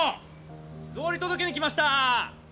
草履届けに来ました！